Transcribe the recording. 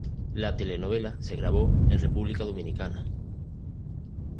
La telenovela se grabó en República Dominicana.